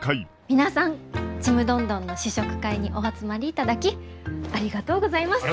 皆さんちむどんどんの試食会にお集まりいただきありがとうございます。